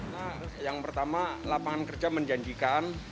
nah yang pertama lapangan kerja menjanjikan